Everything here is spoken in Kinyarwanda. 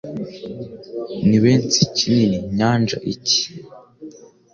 Ni w'ensi kinini Nyanja iki?